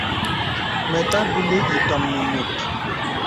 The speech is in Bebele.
Mə tàbìlī itōm nə mùt.